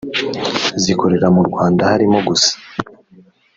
zikorera mu rwanda harimo gusa